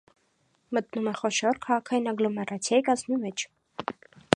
Մտնում է խոշոր քաղաքային ագլոմերացայի կազմի մեջ։